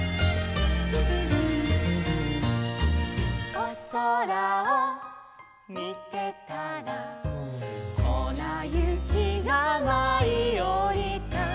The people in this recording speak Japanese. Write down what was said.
「おそらをみてたらこなゆきがまいおりた」